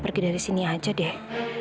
pergi dari sini aja deh